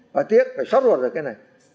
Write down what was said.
phải tiếc phải sót luật ra cái này